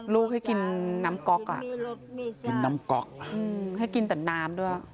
ลูกให้กินน้ำก๊อกอ่ะให้กินแต่น้ำด้วย